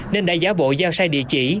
nên đã giả bộ giao sai địa chỉ